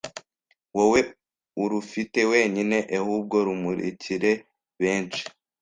wowe urufite wenyine ehubwo rumurikire benshi,